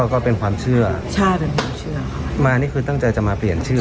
ก็เป็นความเชื่อใช่เป็นความเชื่อมานี่คือตั้งใจจะมาเปลี่ยนชื่อ